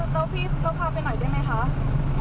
แล้วพี่ก็พาไปหน่อยได้ไหมคะ